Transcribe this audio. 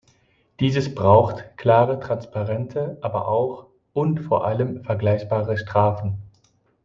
Dieses braucht klare, transparente, aber auch und vor allem vergleichbare Strafen.